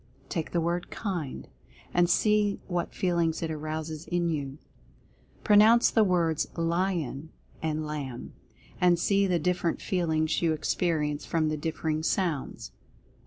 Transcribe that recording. Take the word "KIND," and see what feelings it arouses in you. Pronounce the words "LION" and "LAMB," and see the differ ent feelings you experience from the differing sounds.